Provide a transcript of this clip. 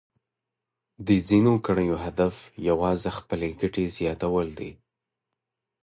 د ځینو کړیو هدف یوازې خپلې ګټې زیاتول دي.